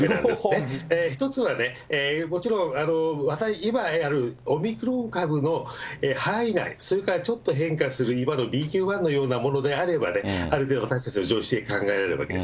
１つはもちろん、今あるオミクロン株の範囲内、それからちょっと変化する今のＢＱ．１のようなものであれば、ある程度、私たちの常識で考えられるわけです。